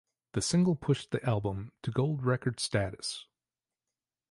The single pushed the album to gold-record status.